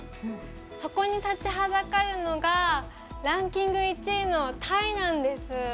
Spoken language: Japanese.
そこに立ちはだかるのがランキング１位のタイなんです。